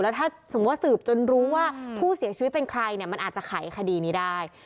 ถ้าสมมุติสืบจนรู้ว่าผู้เสียชีวิตเป็นใครเนี่ยมันอาจจะไขคดีนี้ได้